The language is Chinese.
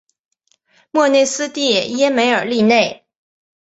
莫内斯蒂耶梅尔利内。